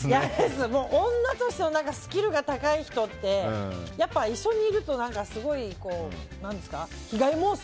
女としてのスキルが高い人ってやっぱり一緒にいるとすごい、被害妄想。